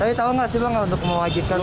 tapi tau gak sih bang untuk mewajibkan